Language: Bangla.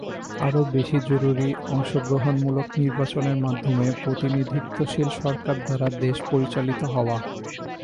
আরও বেশি জরুরি অংশগ্রহণমূলক নির্বাচনের মাধ্যমে প্রতিনিধিত্বশীল সরকার দ্বারা দেশ পরিচালিত হওয়া।